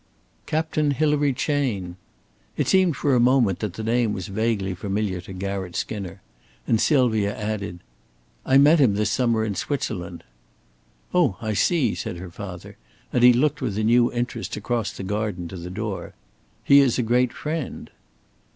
"Captain Hilary Chayne." It seemed for a moment that the name was vaguely familiar to Garratt Skinner, and Sylvia added: "I met him this summer in Switzerland." "Oh, I see," said her father, and he looked with a new interest across the garden to the door. "He is a great friend."